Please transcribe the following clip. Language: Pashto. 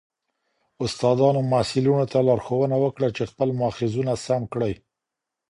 استادانو محصلینو ته لارښوونه وکړه چي خپل ماخذونه سم کړي.